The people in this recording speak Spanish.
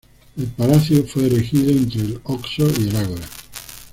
El palacio fue erigido entre el Oxo y el ágora.